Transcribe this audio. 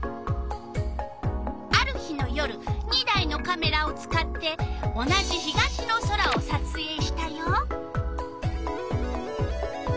ある日の夜２台のカメラを使って同じ東の空をさつえいしたよ。